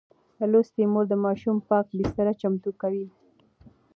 لوستې مور د ماشوم پاک بستر چمتو کوي.